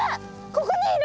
ここにいる！